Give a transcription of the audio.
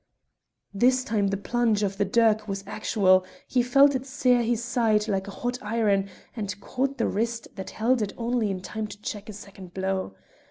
This time the plunge of the dirk was actual; he felt it sear his side like a hot iron, and caught the wrist that held it only in time to check a second blow.